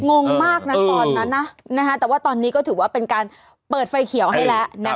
งงมากนะตอนนั้นนะแต่ว่าตอนนี้ก็ถือว่าเป็นการเปิดไฟเขียวให้แล้วนะคะ